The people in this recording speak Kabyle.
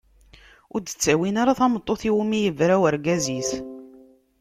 Ur d-ttawin ara tameṭṭut iwumi i yebra urgaz-is.